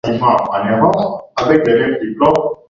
Kenya ilipata asilimia ya chini zaidi ya sabini na saba .